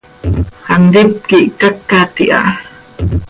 Hantíp quih cacat iha.